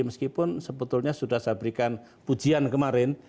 meskipun sebetulnya sudah saya berikan pujian kemarin